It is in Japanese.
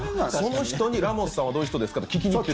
その人に「ラモスさんはどういう人ですか？」って聞きに行ってる？